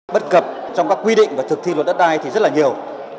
bất cập trong các quy định và thực thi luật đất đai thì rất là nhiều